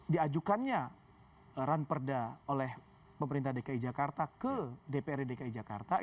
diajukannya ranperda oleh pemerintah dki jakarta ke dprd dki jakarta